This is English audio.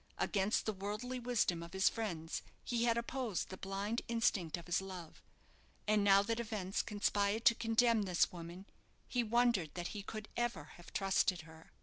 Against the worldly wisdom of his friends he had opposed the blind instinct of his love; and now that events conspired to condemn this woman, he wondered that he could ever have trusted her.